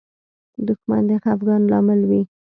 دښمن د خفګان لامل وي